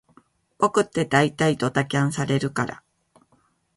僕ってだいたいドタキャンされるから